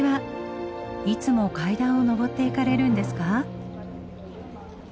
いつも階段を上っていかれるんですか？